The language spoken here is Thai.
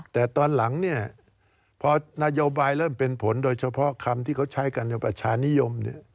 แต่ตอนหลังเนี่ยพอนโยบายเริ่มเป็นผลโดยเฉพาะคำที่เขาใช้กันในประชานิยม